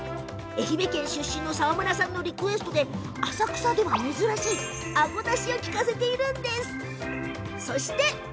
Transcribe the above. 愛媛県出身の澤村さんのリクエストで浅草では珍しいあごだしを利かせています。